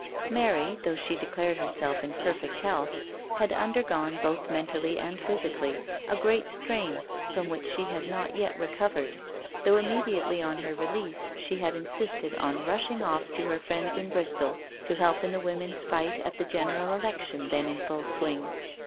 Mary, though she declared herself in perfect health, had undergone, both mentally and physically, a great strain, from which she had not yet recovered, though immediately on her release she had insisted on rushing oflf to her friends in Bristol, to help in the women's fight at the general election then in full swinj